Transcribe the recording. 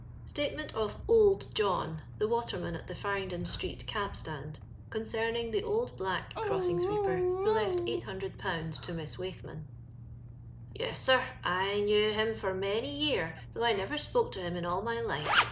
Statement of " Old John," the Waterman AT THE FaBBINODON STBEET CAB STAHD, CON CEBMINO THE OlD BlACK CROSSINa SWEEPEB WHO LETT £800 TO Miss Waithman. Yes, sir, I knew him for many year, though I never spoke to him in all my lUe.